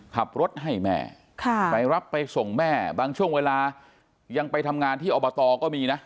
ขับรถให้แม่ไปรับไปส่งแม่บางช่วงเวลายังไปทำงานที่อบตก็มีนะ